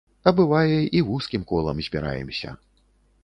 А бывае, і вузкім колам збіраемся.